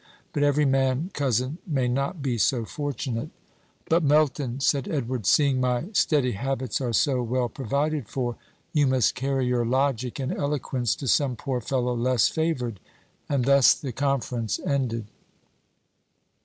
But every man, cousin, may not be so fortunate." "But, Melton," said Edward, "seeing my steady habits are so well provided for, you must carry your logic and eloquence to some poor fellow less favored." And thus the conference ended.